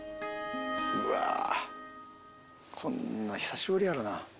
うわこんな久しぶりやろな。